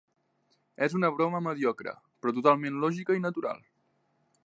És una broma mediocre, però totalment lògica i natural.